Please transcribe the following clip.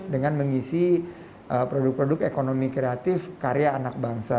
dengan mengisi produk produk ekonomi kreatif karya anak bangsa